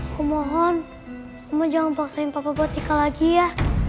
aku mohon kamu jangan paksain papa buat ika lagi ya